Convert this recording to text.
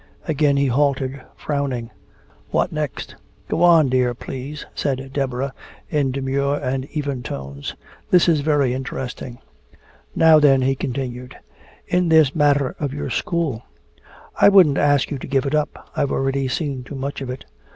Again he halted, frowning. What next? "Go on, dear, please," said Deborah, in demure and even tones. "This is very interesting." "Now then," he continued, "in this matter of your school. I wouldn't ask you to give it up, I've already seen too much of it.